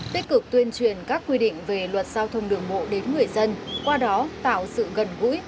tích cực tuyên truyền các quy định về luật giao thông đường mộ đến người dân qua đó tạo sự gần gũi